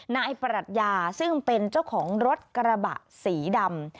นายปรัชญาซึ่งเป็นเจ้าของรถกระบะสีดำ